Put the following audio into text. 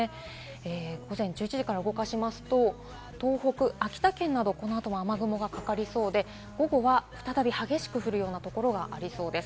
午前１１時から動かしますと、東北、秋田県などこの後も雨雲がかかりそうで、午後は再び激しく降るようなところがありそうです。